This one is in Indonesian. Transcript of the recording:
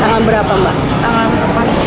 tangan berapa mbak